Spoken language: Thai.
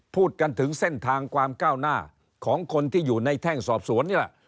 พูดกันถึงเส้นทางความก้าวหน้าของคนที่อยู่ในแท่งสอบสวนนี่แหละ